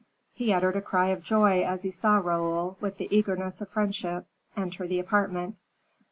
He uttered a cry of joy as he saw Raoul, with the eagerness of friendship, enter the apartment.